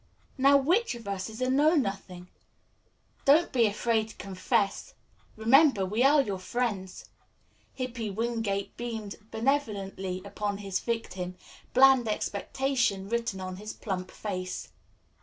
Now, which of us is a know nothing? Don't be afraid to confess. Remember, we are your friends." Hippy Wingate beamed benevolently upon his victim, bland expectation written on his plump face.